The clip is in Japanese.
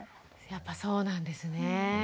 やっぱそうなんですね。